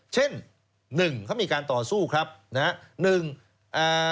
เช่น๑เขามีการต่อสู้ครับนะฮะ